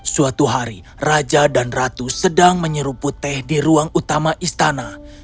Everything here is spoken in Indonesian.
suatu hari raja dan ratu sedang menyeruput teh di ruang utama istana